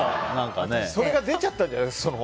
それが出ちゃったんじゃない？